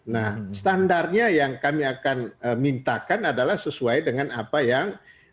nah standarnya yang kami akan minta kan adalah sesuai dengan apa yang protokol kesehatannya